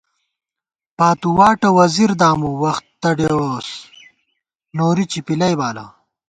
پاتُو واٹہ وزیر دامُو ، وختہ ڈېووس نوری چِپِلَئ بالہ